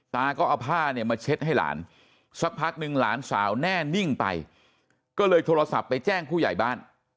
ก็เอาผ้าเนี่ยมาเช็ดให้หลานสักพักนึงหลานสาวแน่นิ่งไปก็เลยโทรศัพท์ไปแจ้งผู้ใหญ่บ้าน